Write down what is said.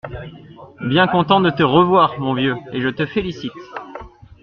Bien content de te revoir, mon vieux, et je te félicite.